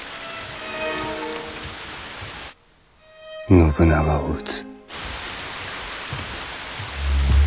信長を討つ。